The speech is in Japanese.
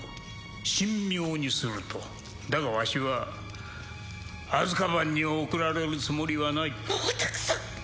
神妙にするとだがわしはアズカバンに送られるつもりはないもうたくさん！